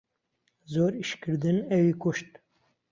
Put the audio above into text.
زۆر ئیشکردن ئەوی کوشت.